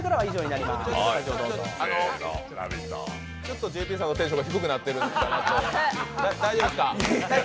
ちょっとＪＰさんのテンションが低くなってるんじゃないかなと、大丈夫ですか？